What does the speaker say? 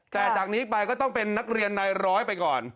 แต่จากนี้ไปก็ต้องเป็นนักเรียนนายร้อยไปก่อน